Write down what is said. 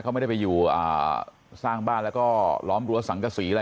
เขาไม่ได้ไปอยู่สร้างบ้านแล้วก็ล้อมรั้วสังกษีอะไร